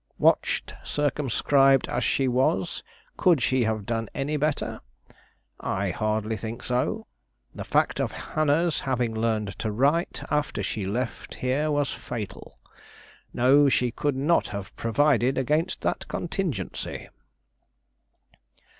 "Watched, circumscribed as she was, could she have done any better? I hardly think so; the fact of Hannah's having learned to write after she left here was fatal. No, she could not have provided against that contingency."